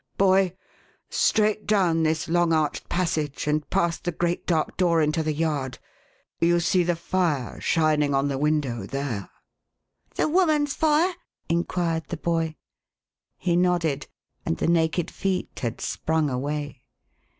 Boy ! straight down this long arched passage, and past the great dark door into the yard, — you see the fire shining on the window there.11 " The woman's fire ?" inquired the boy. He nodded, and the naked feet had sprung away.